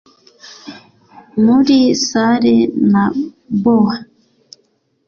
Muri salle na bower.